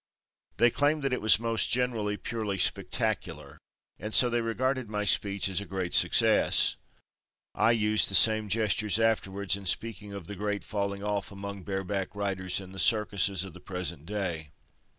They claimed that it was most generally purely spectacular, and so they regarded my speech as a great success. I used the same gestures afterwards in speaking of "The Great Falling Off among Bare Back Riders in the Circuses of the Present Day."